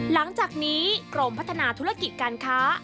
หลังจากนี้กรมพัฒนาธุรกิจการค้า